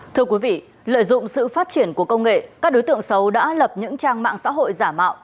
thưa quý vị lợi dụng sự phát triển của công nghệ các đối tượng xấu đã lập những trang mạng xã hội giả mạo